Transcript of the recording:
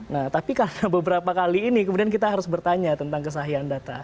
nah tapi karena beberapa kali ini kemudian kita harus bertanya tentang kesahian data